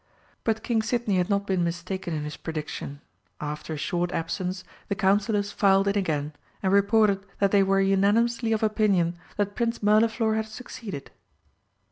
But King Sidney had not been mistaken in his prediction; after a short absence the Councillors filed in again and reported that they were unanimously of opinion that Prince Mirliflor had succeeded.